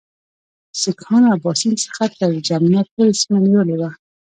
سیکهانو اباسین څخه تر جمنا پورې سیمه نیولې وه.